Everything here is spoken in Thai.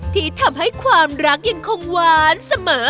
ที่ทำให้ความรักยังคงหวานเสมอ